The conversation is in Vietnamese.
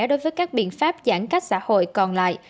đối với các biện pháp giãn cách xã hội còn lại